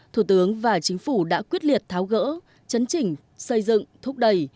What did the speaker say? thủ tướng và chính phủ đã quyết liệt tháo gỡ chấn chỉnh xây dựng thúc đẩy